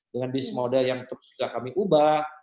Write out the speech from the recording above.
dengan bis model yang terus sudah kami ubah